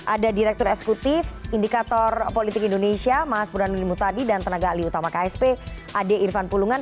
ada direktur eksekutif indikator politik indonesia mas burhanuddin mutadi dan tenaga alih utama ksp ade irfan pulungan